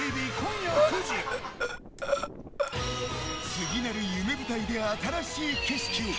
次なる夢舞台で新しい景色を。